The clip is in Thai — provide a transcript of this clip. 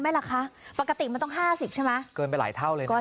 ไหมล่ะคะปกติมันต้อง๕๐ใช่ไหมเกินไปหลายเท่าเลยนะ